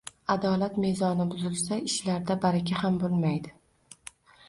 adolat mezoni buzilsa, ishlarda baraka ham bo‘lmaydi...»